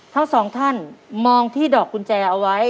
ทั้งสองท่านมองที่ดอกกุญแจเอาไว้